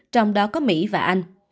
trong đó có mỹ và anh